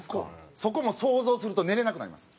そこも想像すると寝られなくなります。